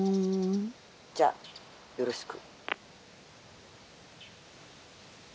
「じゃよろしく」。